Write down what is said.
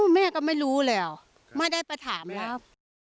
แม่ก็ไม่รู้แล้วไม่ได้ไปถามแล้ว